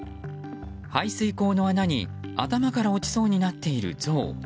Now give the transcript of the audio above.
排水溝の穴に頭から落ちそうになっているゾウ。